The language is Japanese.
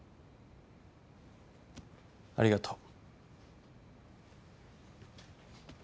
ありがとう。